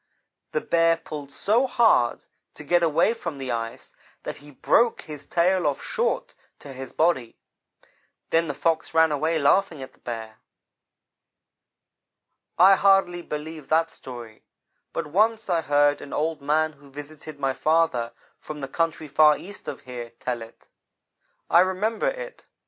"The Bear pulled so hard to get away from the ice, that he broke his tail off short to his body. Then the Fox ran away laughing at the Bear. "I hardly believe that story, but once I heard an old man who visited my father from the country far east of here, tell it. I remembered it.